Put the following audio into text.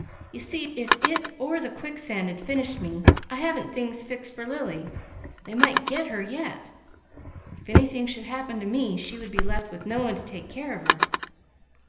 "You see if it or the quicksands had finished me, I haven't things fixed for Lily. They might 'get' her yet. If anything should happen to me, she would be left with no one to take care of her."